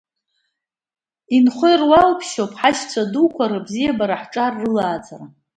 Инхо ируалԥшьоуп ҳашьцәа дуқәа рыбзиабара ҳҿар рылааӡара.